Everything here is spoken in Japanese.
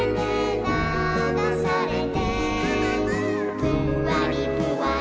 「ぷんわりぷわり」